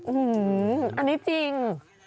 อืออออออนี่จริง